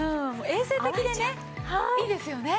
衛生的でねいいですよね。